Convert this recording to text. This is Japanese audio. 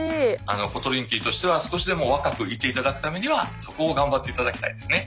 あのコトリンキーとしては少しでも若くいていただくためにはそこを頑張っていただきたいですね。